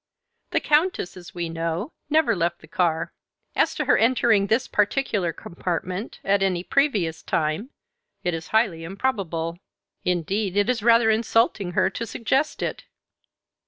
"The Countess, as we know, never left the car. As to her entering this particular compartment, at any previous time, it is highly improbable. Indeed, it is rather insulting her to suggest it."